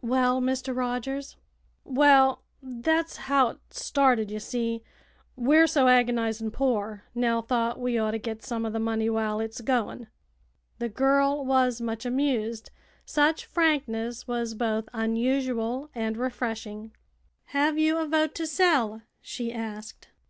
"Well, Mr. Rogers?" "Well, thet's how it started, ye see. We're so agonizin' poor, Nell thought we orter git some o' the money while it's goin'." The girl was much amused. Such frankness was both unusual and refreshing. "Have you a vote to sell?" she asked.